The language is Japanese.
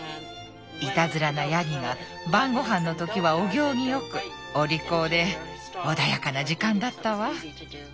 いたずらなヤギが晩ごはんの時はお行儀よくお利口で穏やかな時間だったわ。